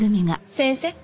先生。